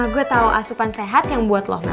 gue tau asupan sehat yang buat lo mel